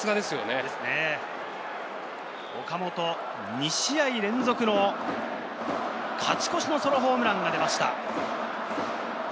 岡本、２試合連続の勝ち越しのソロホームランが出ました。